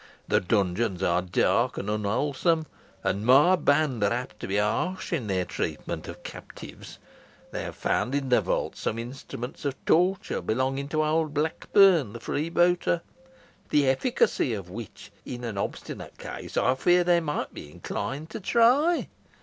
The dungeons are dark and unwholesome, and my band are apt to be harsh in their treatment of captives. They have found in the vaults some instruments of torture belonging to old Blackburn, the freebooter, the efficacy of which in an obstinate case I fear they might be inclined to try.